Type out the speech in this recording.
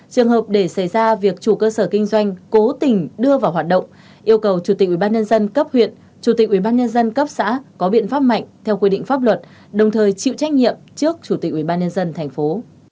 trường hợp để xảy ra việc chủ cơ sở kinh doanh cố tình đưa vào hoạt động yêu cầu chủ tịch ủy ban nhân dân cấp huyện chủ tịch ủy ban nhân dân cấp xã có biện pháp mạnh theo quy định pháp luật đồng thời chịu trách nhiệm trước chủ tịch ủy ban nhân dân thành phố